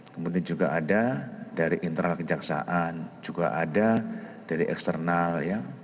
kemudian juga ada dari internal kejaksaan juga ada dari eksternal ya